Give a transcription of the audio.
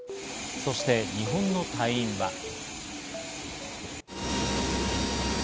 そして日本の隊員は。